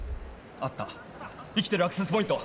あった生きてるアクセスポイント